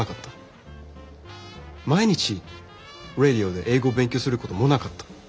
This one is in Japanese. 毎日ｒａｄｉｏで英語を勉強することもなかった。